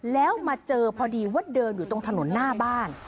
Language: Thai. แล้วมาเจอพอดีว่าเดินอยู่ตรงถนนหน้าบ้าน